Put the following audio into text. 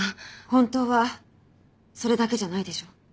本当はそれだけじゃないでしょ？